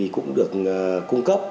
cũng được cung cấp